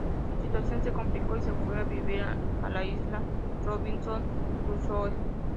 Su situación se complicó y se fue a vivir a la Isla Robinson Crusoe.